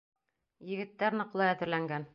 Егеттәр ныҡлы әҙерләнгән.